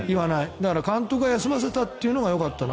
だから、監督が休ませたというのがよかったな。